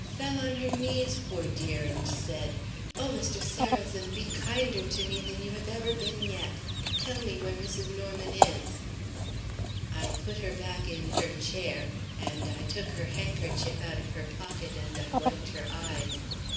"Fell on her knees, poor dear and said: 'Oh, Mr. Sarrazin, be kinder to me than you have ever been yet; tell me where Mrs. Norman is!' I put her back in her chair, and I took her handkerchief out of her pocket and I wiped her eyes."